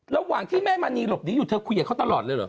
ระหว่างที่แม่มณีหลบหนีอยู่เธอคุยกับเขาตลอดเลยเหรอ